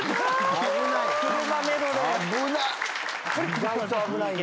意外と危ないんだ。